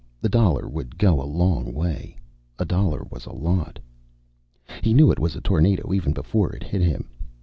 The dollar would go a long way. A dollar was a lot. He knew it was a tornado even before it hit him.